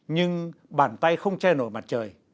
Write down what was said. nhưng bàn tay không che nổi mặt trời